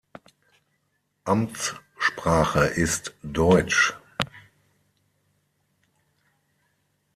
Amtssprache ist Deutsch.